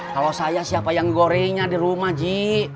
kalau saya siapa yang gorengnya di rumah ji